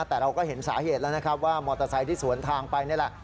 แต่เราก็เห็นสาเหตุแล้วนะครับว่ามอเตอร์ไซค์ที่สวนทางไปนี่แหละ